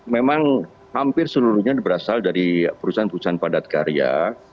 memang hampir seluruhnya berasal dari perusahaan perusahaan padat karya